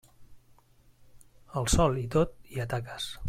Al sol i tot hi ha taques.